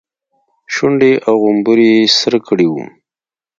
شونډې او غومبري يې سره کړي وو.